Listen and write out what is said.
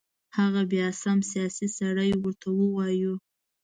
هغه بیا سم سیاسي سړی ورته ووایو.